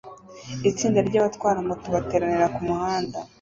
Itsinda ry'abatwara moto bateranira kumuhanda